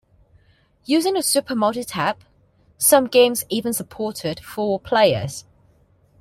Using the Super Multitap, some games even supported four players.